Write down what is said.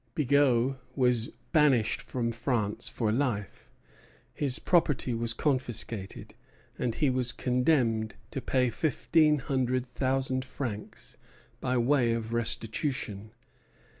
Bigot was banished from France for life, his property was confiscated, and he was condemned to pay fifteen hundred thousand francs by way of restitution.